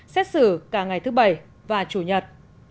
xét xử cả ngày thứ bảy và chủ nhật